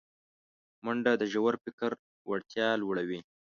منډه د ژور فکر وړتیا لوړوي